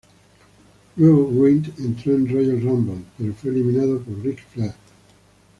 Luego Wright entró en Royal Rumble, pero fue eliminado por Ric Flair.